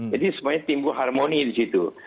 jadi sebenarnya timbul harmoni di situ